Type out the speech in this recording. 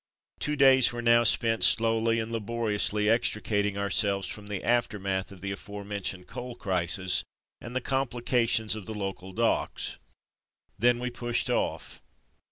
Two days were now spent slowly and laboriously extricating ourselves from the aftermath of the afore mentioned coal crisis and the complications of the local docks; then we pushed off.